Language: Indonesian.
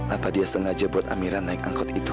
apa dia sengaja buat amira naik angkot itu